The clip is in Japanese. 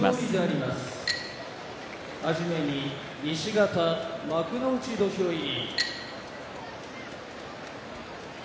はじめに西方幕内土俵入り。